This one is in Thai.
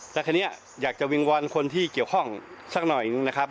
แต่คราวนี้อยากจะวิงวอนคนที่เกี่ยวข้องสักหน่อยหนึ่งนะครับ